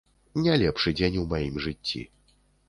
Не лепшы дзень у маім жыцці.